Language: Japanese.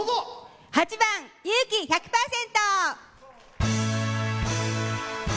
８番「勇気１００％」。